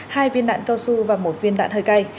hai viên đạn cao su và một viên đạn hơi cay